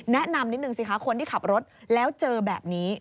แนะนำนิดนึงสิคะคนที่ขับรถแล้วเจอแบบนี้